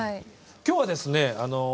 今日はですね